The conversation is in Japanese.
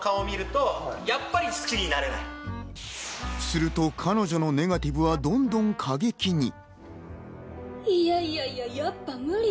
すると、彼女のネガティブはどんどん過激に。